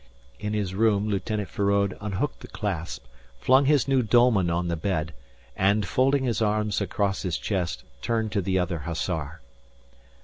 In his room Lieutenant Feraud unhooked the clasp, flung his new dolman on the bed, and folding his arms across his chest, turned to the other hussar.